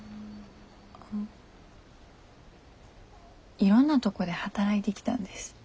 いろんなとこで働いてきたんです。